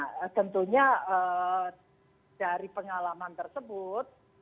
nah tentunya dari pengalaman tersebut